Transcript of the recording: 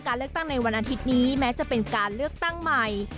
เลือกตั้งในวันอาทิตย์นี้แม้จะเป็นการเลือกตั้งใหม่